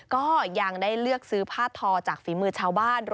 ก็ยังได้เลือกซื้อผ้าทอจากฝีมือชาวบ้าน